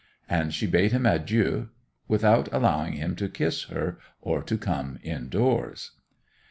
And she bade him adieu without allowing him to kiss her or to come indoors.